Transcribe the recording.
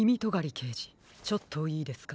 けいじちょっといいですか？